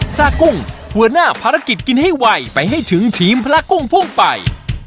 พระกุ้งหัวหน้าภารกิจกินให้ไวไปให้ถึงทีมพระกุ้งพุ่งไป